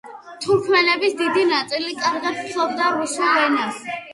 თურქმენების დიდი ნაწილი კარგად ფლობს რუსულ ენას.